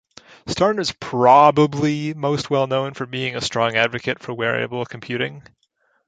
Starner is probably most well known for being a strong advocate for wearable computing.